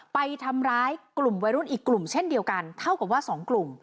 ไปทำร้ายกลุ่มวัยรุ่นอีกกลุ่มเช่นเดียวกันเท่ากับว่าสองกลุ่ม